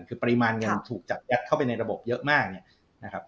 คือปริมาณเงินถูกจัดยัดเข้าไปในระบบเยอะมาก